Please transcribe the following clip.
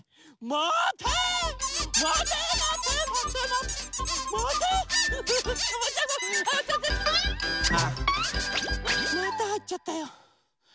またはいっちゃったよ。